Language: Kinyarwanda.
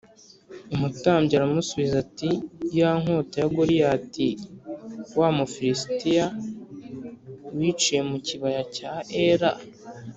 Umutambyi aramusubiza ati “Ya nkota ya Goliyati wa Mufilisitiya wiciye mu kibaya cya Ela